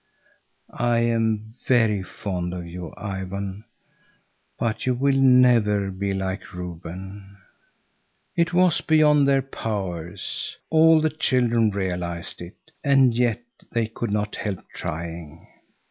"I am very fond of you, Ivan, but you will never be like Reuben." It was beyond their powers; all the children realized it, and yet they could not help trying.